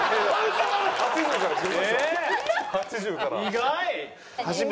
意外。